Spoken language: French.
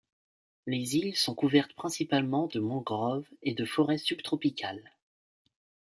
Les îles sont couvertes principalement de mangroves et de forêts subtropicales.